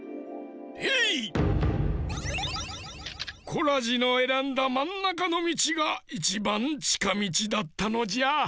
コラジのえらんだまんなかのみちがいちばんちかみちだったのじゃ。